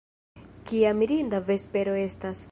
Kia mirinda vespero estas.